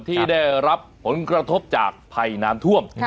ที่ได้รับผลกระทบจากภัยน้ำท่วม